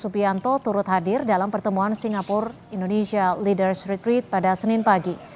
supianto turut hadir dalam pertemuan singapura leaders retreat pada senin pagi